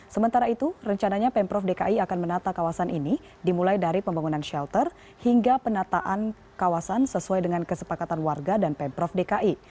sementara itu rencananya pemprov dki akan menata kawasan ini dimulai dari pembangunan shelter hingga penataan kawasan sesuai dengan kesepakatan warga dan pemprov dki